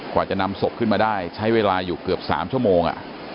กว่าจะนำศพขึ้นมาได้ใช้เวลาอยู่เกือบ๓ชั่วโมง